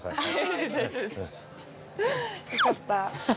良かった。